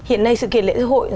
hiện nay sự kiện lễ hội